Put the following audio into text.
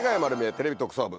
テレビ特捜部』